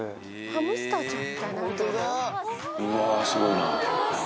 うわー、すごいな。